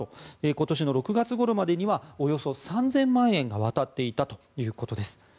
今年６月ごろまでにはおよそ３０００万円が渡っていたということです。